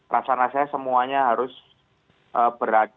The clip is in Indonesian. rasanya saya semuanya harus berani